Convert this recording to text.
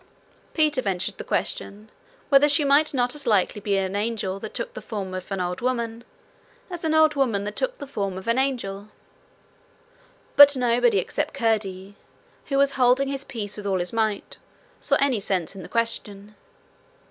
Peter ventured the question whether she might not as likely be an angel that took the form of an old woman, as an old woman that took the form of an angel. But nobody except Curdie, who was holding his peace with all his might, saw any sense in the question.